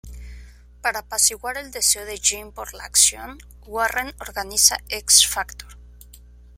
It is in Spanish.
Para apaciguar el deseo de Jean por la acción, Warren organiza X-Factor.